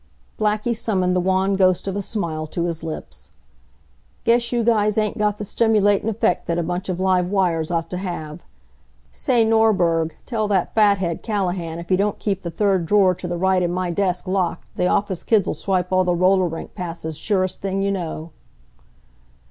Blackie summoned the wan ghost of a smile to his lips. "Guess you guys ain't got th' stimulatin' effect that a bunch of live wires ought to have. Say, Norberg, tell that fathead, Callahan, if he don't keep the third drawer t' the right in my desk locked, th' office kids'll swipe all the roller rink passes surest thing you know."